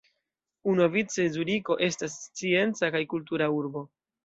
Unuavice Zuriko estas scienca kaj kultura urbo.